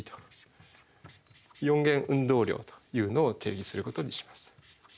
４元運動量というのを定義することにします。